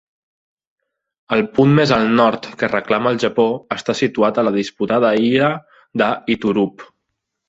El punt més al nord que reclama el Japó està situat a la disputada illa de Iturup.